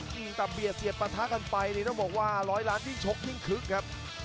อืมแต่เบียดเสียดปะทะกันไปนี่ต้องบอกว่าร้อยล้านยิ่งชกยิ่งคึกครับ